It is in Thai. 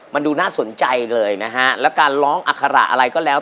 มันดูน่าสนใจเลยนะฮะแล้วการร้องอัคระอะไรก็แล้ว